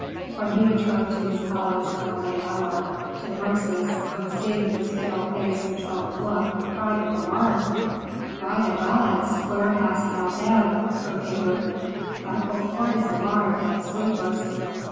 When he returned to his palace at a late hour, Tutmosis, on seeing his pale face and troubled look, cried with alarm, "By the gods! where hast thou been, Erpatr? Thy whole court is alarmed and sleepless."